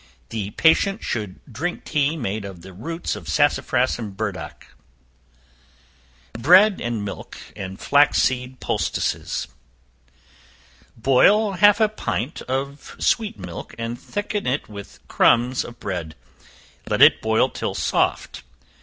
The patient should drink tea made of the roots of sassafras and burdock. Bread and Milk, and Flaxseed Poultices. Boil half a pint of sweet milk, and thicken it with crumbs of bread; let it boil till soft.